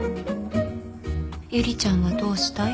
ゆりちゃんはどうしたい？